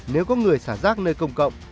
nếu có người xả rác nơi công cộng